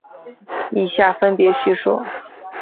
以下分别叙述。